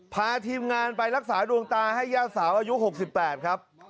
พาทีมงานไปรักษาดวงตาให้ย่าสาวอายุ๖๘ครับ